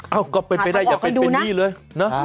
เอ้าก็เป็นไปได้อย่าเป็นเป็นนี่เลยหาทางออกกันดูนะ